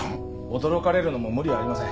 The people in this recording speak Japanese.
驚かれるのも無理はありません。